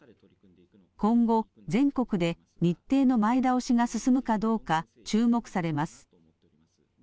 今後、全国で日程の前倒しが進むかどうか、注目されます。